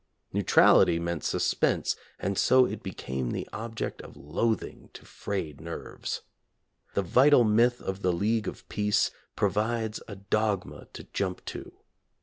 Neutrality meant suspense, and so it became the object of loathing to frayed nerves. The vital myth of the League of Peace provides a dogma to jump to.